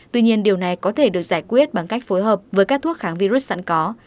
tuy nhiên điều này có thể được giải quyết bằng cách phối hợp với các thuốc kháng virus sẵn có